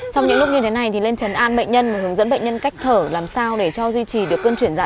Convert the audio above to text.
chị cháu đau lắm rồi ạ